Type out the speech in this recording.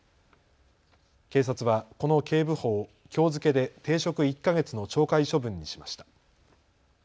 警察はこの警部補をきょう付けで停職１か月の懲戒処分にしました。